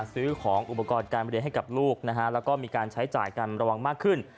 ซื้อของอุปกรณ์การเรียนให้กับลูกนะฮะแล้วก็มีการใช้จ่ายกันระวังมากขึ้น